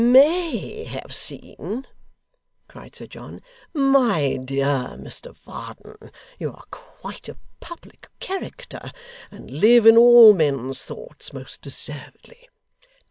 'MAY have seen!' cried Sir John. 'My dear Mr Varden, you are quite a public character, and live in all men's thoughts most deservedly.